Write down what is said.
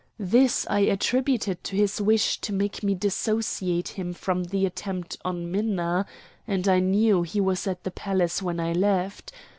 This I attributed to his wish to make me dissociate him from the attempt on Minna; and I knew he was at the palace when I left.